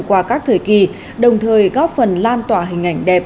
qua các thời kỳ đồng thời góp phần lan tỏa hình ảnh đẹp